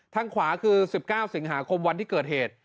ทางขวาคือ๑๙สิงหาคมวันที่เกิดเหตุ